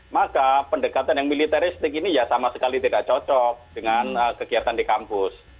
maka pendekatan yang militeristik ini ya sama sekali tidak cocok dengan kegiatan di kampus